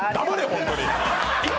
本当に！